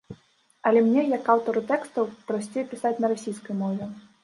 Але мне, як аўтару тэкстаў, прасцей пісаць на расійскай мове.